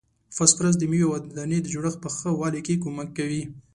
فاسفورس د میوې او دانې د جوړښت په ښه والي کې کومک کوي.